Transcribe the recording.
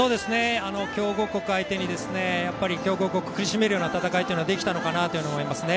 強豪国相手に強豪国を苦しめるような戦いというのができたのかなと思いますね。